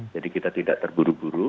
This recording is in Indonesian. jadi kita tidak terburu buru